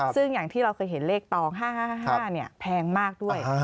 ซึ่งอย่างที่เราเคยเห็นเลขตอง๕๕แพงมากด้วย